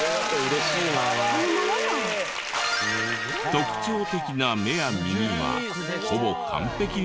特徴的な目や耳はほぼ完璧に再現。